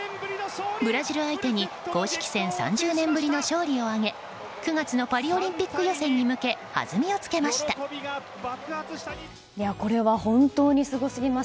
ブラジル相手に公式戦３０年ぶりの勝利を挙げ９月のパリオリンピック予選に向けこれは本当にすごすぎます。